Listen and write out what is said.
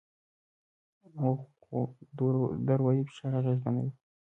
غول د اروایي فشار اغېزمنوي.